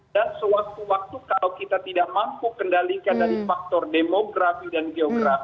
dan sewaktu waktu kalau kita tidak mampu kendalikan dari faktor demografi dan geografi